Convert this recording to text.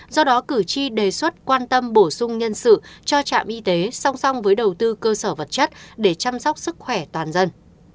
do đó cử tri đề xuất quan tâm bổ sung nhân sự cho trạm y tế song song với đầu tư cơ sở vật chất để chăm sóc sức khỏe toàn dân